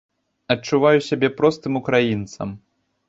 Адчуваю сябе простым украінцам.